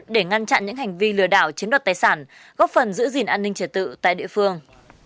để ngăn chặn những hành vi lừa đảo chiếm đoạt tài sản góp phần giữ gìn an ninh trở tự tại địa phương